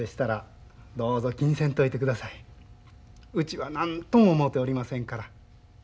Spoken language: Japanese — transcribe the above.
うちは何とも思うておりませんから。